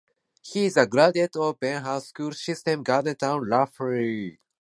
He is a graduate of Beaconhouse School System Garden Town, Lahore.